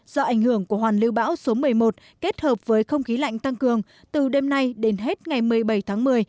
do ảnh hưởng của hoàn lưu bão số một mươi một kết hợp với không khí lạnh tăng cường từ đêm nay đến hết ngày một mươi bảy tháng một mươi